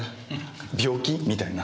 病気みたいな。